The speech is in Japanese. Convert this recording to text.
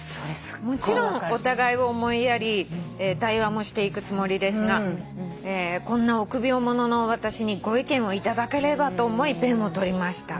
「もちろんお互いを思いやり対話もしていくつもりですがこんな臆病者の私にご意見をいただければと思いペンを執りました」